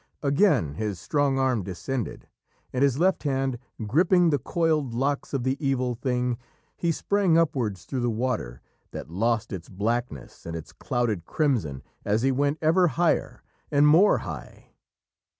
Again his strong arm descended, and, his left hand gripping the coiled locks of the Evil Thing, he sprang upwards through the water, that lost its blackness and its clouded crimson as he went ever higher and more high.